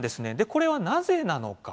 これはなぜなのか。